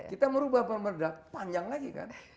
kita merubah pemerintah panjang lagi kan